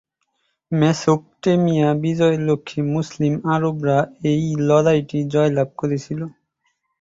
Mesopotamia বিজয়ের লক্ষ্যে মুসলিম আরবরা এই লড়াইটি জয়লাভ করেছিল।